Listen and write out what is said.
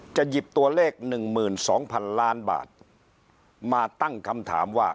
จะหยิบตัวเลขหนึ่งหมื่นสองพันล้านบาทมาตั้งคำถามว่า